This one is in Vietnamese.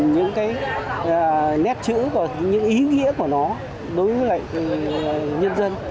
những cái nét chữ và những ý nghĩa của nó đối với lại nhân dân